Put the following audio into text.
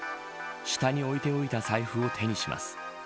下に置いておいた財布を手にします。